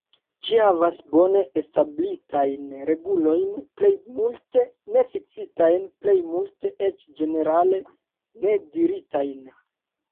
Ĝi havas bone establitajn regulojn, plejmulte nefiksitajn, plejmulte eĉ ĝenerale nediritajn.